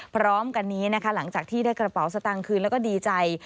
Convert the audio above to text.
พร้อมกันนี้นะคะหลังจากที่ได้กระเป๋าสตางค์คืนแล้วก็ดีใจ